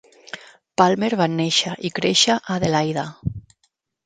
Palmer va néixer i créixer a Adelaida.